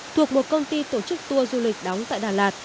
thuộc một công ty tổ chức tour du lịch đóng tại đà lạt